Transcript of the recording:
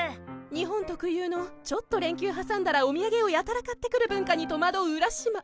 日本特有のちょっと連休挟んだらお土産をやたら買ってくる文化に戸惑う浦島